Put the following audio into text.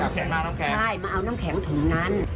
ใช่มาเอาน้ำแข็งถุงนั้น